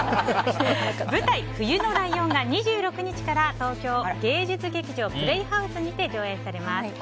舞台「冬のライオン」が２６日から東京芸術劇場プレイハウスにて上演されます。